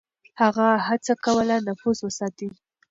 هغه هڅه کوله نفوذ وساتي.